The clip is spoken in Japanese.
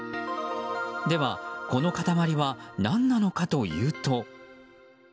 では、この塊は何なのかというと。